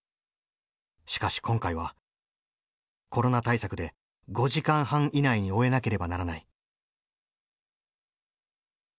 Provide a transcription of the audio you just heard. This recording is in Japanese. しかし今回はコロナ対策で５時間半以内に終えなければならない。